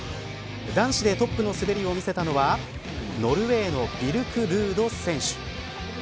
男子でトップの滑りを見せたのはノルウェーのビルク・ルード選手。